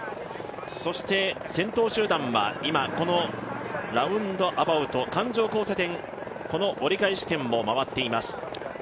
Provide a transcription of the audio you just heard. そして、先頭集団はこのラウンドアバウト環状交差点、この折り返し地点を回っています。